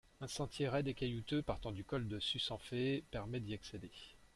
Un sentier raide et caillouteux partant du col de Susanfe permet d'y accéder.